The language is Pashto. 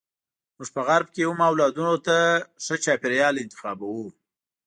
موږ په غرب کې هم اولادونو ته ښه چاپیریال انتخابوو.